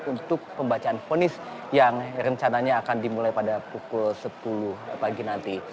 untuk pembacaan fonis yang rencananya akan dimulai pada pukul sepuluh pagi nanti